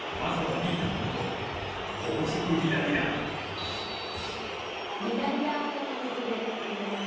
リラリラを高速で言えます。